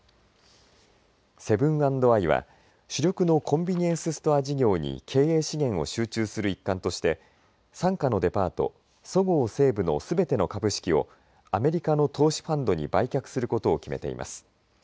セブン＆アイは主力のコンビニエンスストア事業に経営資源を集中する一環として傘下のデパートそごう・西武のすべての株式をアメリカの投資ファンドに売却することを決めています。